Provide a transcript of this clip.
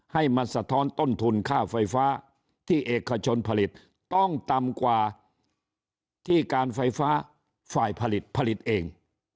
ให้มันสะท้อนต้นทุนค่าไฟฟ้าที่เอกชนผลิตต้องต่ำกว่าที่การไฟฟ้าฝ่ายผลิตผลิตเอง